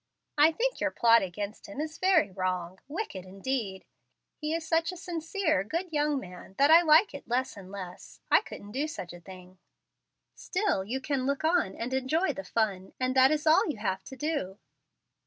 "I think your plot against him is very wrong, wicked, indeed. He is such a sincere, good young man, that I like it less and less. I couldn't do such a thing." "Still you can look on and enjoy the fun, and that is all you have to do.